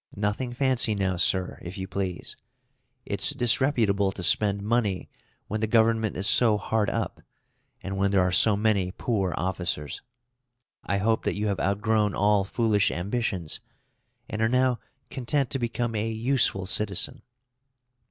Nothing fancy now, sir, if you please; it's disreputable to spend money when the government is so hard up, and when there are so many poor officers. I hope that you have outgrown all foolish ambitions, and are now content to become a "useful citizen."